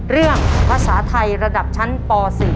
เรื่องภาษาไทยระดับชั้นป๔